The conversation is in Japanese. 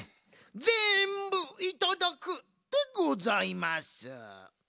ぜんぶいただくでございます！